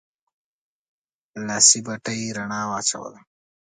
لاسي بتۍ رڼا واچوله.